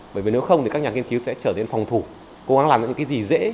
bởi vì nếu không thì các nhà nghiên cứu sẽ trở nên phòng thủ cố gắng làm những cái gì dễ